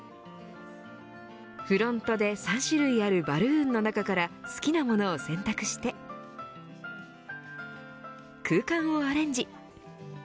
フロントで３種類あるバルーンの中から好きなものを選択して空間をアレンジ。